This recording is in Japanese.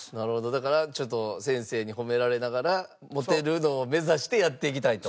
だからちょっと先生に褒められながらモテるのを目指してやっていきたいと。